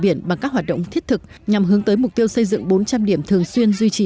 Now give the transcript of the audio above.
biển bằng các hoạt động thiết thực nhằm hướng tới mục tiêu xây dựng bốn trăm linh điểm thường xuyên duy trì